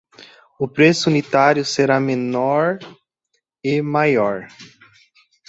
O preço unitário será menor e menor